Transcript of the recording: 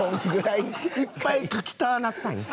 いっぱい書きたあなったんや。